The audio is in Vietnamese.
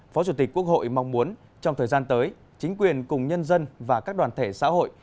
phó chủ tịch quốc hội mong muốn trong thời gian tới chính quyền cùng nhân dân và các đoàn thể xã hội